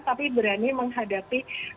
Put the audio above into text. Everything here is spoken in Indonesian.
tapi berani menghadapi